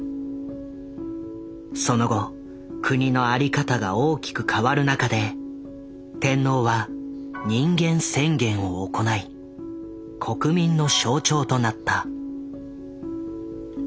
その後国の在り方が大きく変わる中で天皇は人間宣言を行い国民の象徴となった。